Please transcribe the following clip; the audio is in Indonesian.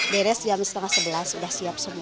beres jam setengah sebelas udah siap semua